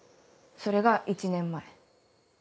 それが１年前。